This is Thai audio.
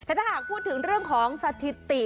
ถ้าหากพูดถึงเรื่องของสถิติ